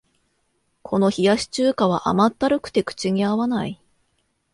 この冷やし中華は甘ったるくて口に合わない